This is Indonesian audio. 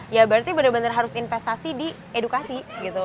ya berarti bener bener harus investasi di edukasi gitu